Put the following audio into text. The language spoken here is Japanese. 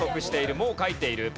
もう書いている。